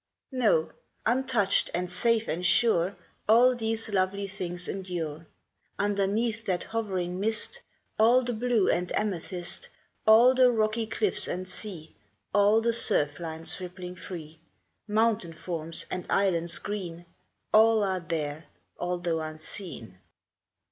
No ; untouched, and safe and sure, All these lovely things endure ; Underneath that hovering mist, All the blue and amethyst, All the rocky cliffs and sea, All the surf lines rippling free, Mountain forms and islands green, All are there, although unseen.